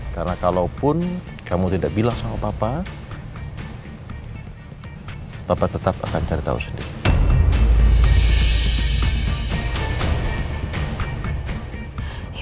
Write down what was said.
karena kalaupun kamu tidak bilang sama papa papa tetap akan cari tahu sendiri